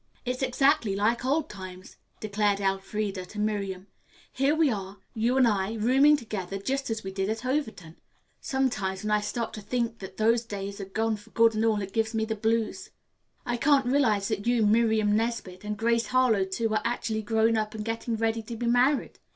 "It's exactly like old times," declared Elfreda to Miriam. "Here we are, you and I, rooming together again just as we did at Overton. Sometimes when I stop to think that those days are gone for good and all, it gives me the blues. I can't realize that you, Miriam Nesbit, and Grace Harlowe, too, are actually grown up and getting ready to be married.